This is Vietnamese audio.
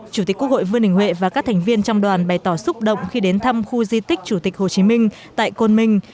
chủ tịch quốc hội vương đình huệ và các thành viên trong đoàn bày tỏ xúc động khi đến thăm khu di tích chủ tịch hồ chí minh tại côn minh